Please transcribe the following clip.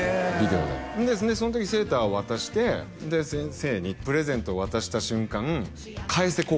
ビデオでそんでその時セーターを渡してで先生にプレゼントを渡した瞬間返せ